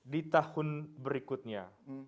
di tahun berikutnya